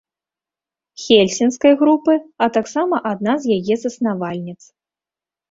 Хельсінскай групы, а таксама адна з яе заснавальніц.